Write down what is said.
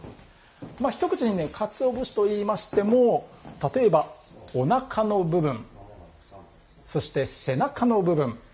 一口にかつお節といいましても例えば、おなかの部分そして、背中の部分。